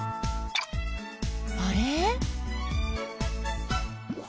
あれ？